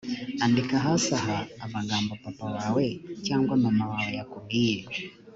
andika hasi aha amagambo papa wawe cyangwa mama yakubwiye